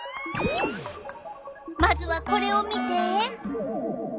まずはこれを見て。